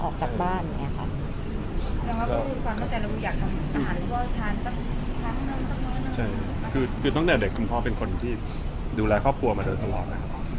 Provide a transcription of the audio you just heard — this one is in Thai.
คือตั้งแต่เด็กคุณพ่อเป็นคนที่ดูแลครอบครัวมาโดยตลอดนะครับ